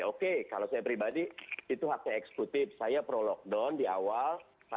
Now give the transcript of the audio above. oke kalau saya pribadi itu haknya eksekutif saya pro lockdown di awal